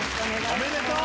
おめでとう！